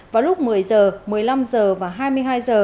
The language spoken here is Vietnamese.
vào lúc một mươi h một mươi năm h và hai mươi hai h